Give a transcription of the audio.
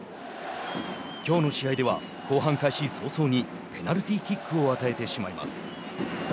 きょうの試合では後半開始早々にペナルティーキックを与えてしまいます。